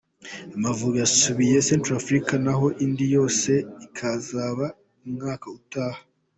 Amavubi yasuye Centrafrique naho indi yose ikazaba umwaka utaha.